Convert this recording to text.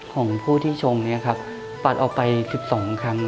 ของผู้ที่ชมปัดออกไป๑๒ครั้ง